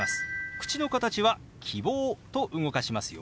口の形は「キボー」と動かしますよ。